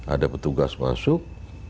ada petugas masuk